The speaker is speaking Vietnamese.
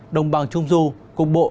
đồng bằng trung du cục bộ